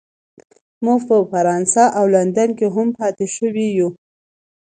موږ په فرانسه او لندن کې هم پاتې شوي یو